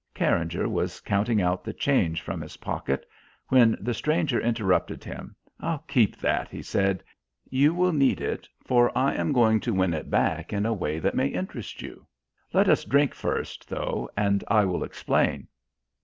Carringer was counting out the change from his pocket when the stranger interrupted him. "Keep that," he said. "You will need it, for I am going to win it back in a way that may interest you. Let us drink first, though, and I will explain."